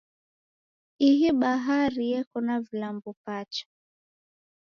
Ihi bahari yeko na vilambo pacha.